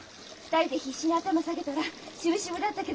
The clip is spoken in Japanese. ２人で必死に頭下げたらしぶしぶだったけど。